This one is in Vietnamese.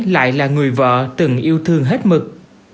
lại là người vợ từng yêu thương hết mực